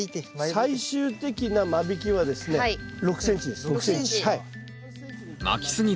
最終的な間引きはですね６ｃｍです。